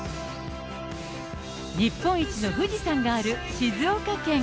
日本一の富士山がある静岡県。